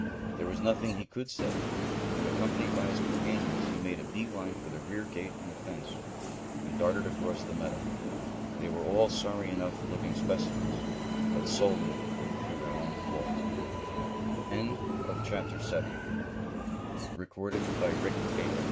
There was nothing he could say, and, accompanied by his companions, he made a bee line for the rear gate in the fence, and darted across the meadow. They were all sorry enough looking specimens, but solely through their own fault. Chapter 8 Winning a Prize "Well, Tom, what happened?" asked Mr. Sharp,